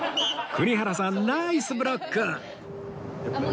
栗原さんナイスブロック！